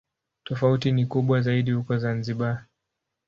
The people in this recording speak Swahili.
Tofauti ni kubwa zaidi huko Zanzibar.